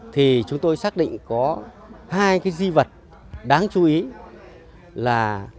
thì chúng tôi xác định có hai cái di vật đáng chú ý là